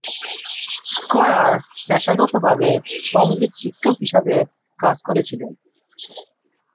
Square পেশাগতভাবে সঙ্গীত শিক্ষক হিসাবে কাজ করেছিলেন।